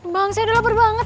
bang saya udah lapar banget